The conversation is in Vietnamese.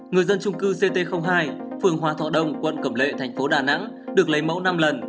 người dân trung cư ct hai phường hòa thọ đông quận cẩm lệ thành phố đà nẵng được lấy mẫu năm lần